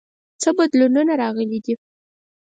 څه بدلونونه راغلي دي؟